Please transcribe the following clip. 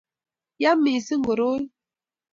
ya mising koroi